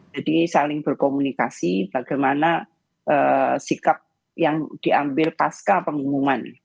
saling berkomunikasi bagaimana sikap yang diambil pasca pengumuman